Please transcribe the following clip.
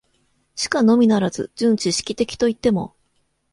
しかのみならず、純知識的といっても、